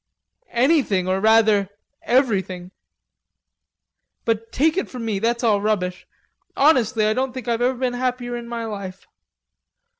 "Anything, or rather everything! But take it from me, that's all rubbish. Honestly I don't think I've ever been happier in my life....